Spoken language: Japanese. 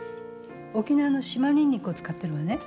沖縄の島ニンニクを使ってるのね。